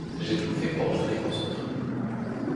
J’ai tout fait pour te déconcentrer.